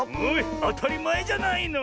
あたりまえじゃないの。